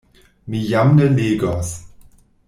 Mi jam ne legos,...